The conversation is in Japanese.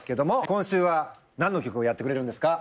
今週は何の曲をやってくれるんですか？